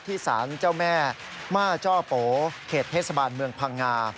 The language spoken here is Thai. สารเจ้าแม่ม่าจ้อโปเขตเทศบาลเมืองพังงา